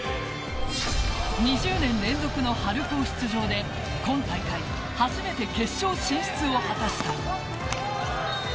２０年連続の春高出場で今大会、初めて決勝進出を果たす。